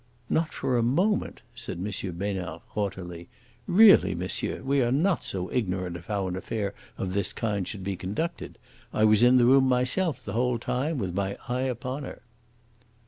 "Not for a moment," said M. Besnard haughtily. "Really, monsieur, we are not so ignorant of how an affair of this kind should be conducted. I was in the room myself the whole time, with my eye upon her."